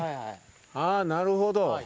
ああ、なるほど。